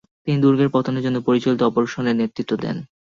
তিনি দুর্গের পতনের জন্য পরিচালিত অপারেশনে নেতৃত্ব দেন।